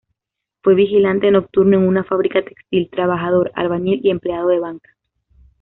Fue vigilante nocturno en una fábrica textil, trabajador, albañil y empleado de banca.